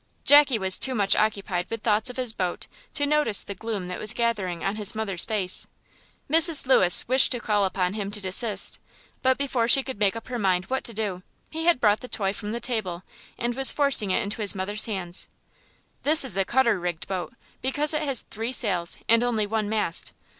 Jackie was too much occupied with thoughts of his boat to notice the gloom that was gathering on his mother's face; Mrs. Lewis wished to call upon him to desist, but before she could make up her mind what to do, he had brought the toy from the table and was forcing it into his mother's hands. "This is a cutter rigged boat, because it has three sails and only one mast.